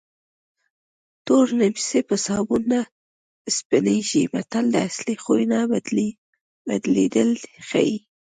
تور نیمڅی په سابون نه سپینېږي متل د اصلي خوی نه بدلېدل ښيي